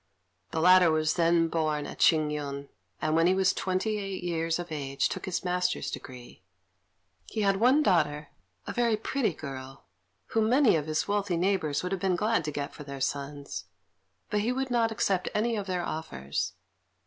The latter was then born at Ch'ing yün, and when he was twenty eight years of age took his master's degree. He had one daughter, a very pretty girl, whom many of his wealthy neighbours would have been glad to get for their sons; but he would not accept any of their offers.